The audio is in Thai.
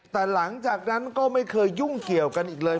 แต่หลังจากนั้นก็ไม่เคยยุ่งเกี่ยวกันอีกเลย